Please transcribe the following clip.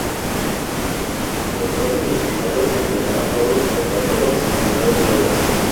Los cuatro clasificados se enfrentaron todos contra todos, en dos ruedas.